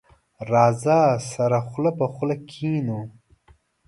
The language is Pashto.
راځه، سره خله په خله کېنو.